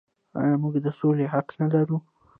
آیا موږ د سولې حق نلرو؟